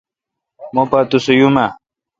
مہ پا توسہ یوماؘ۔